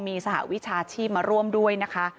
มีสหวิชาชีพมาร่วมด้วยนะคะ